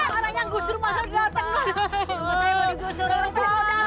makanya gue suruh masalah datang nuan